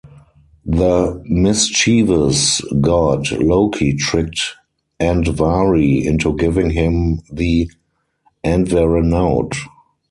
The mischievous god Loki tricked Andvari into giving him the Andvaranaut.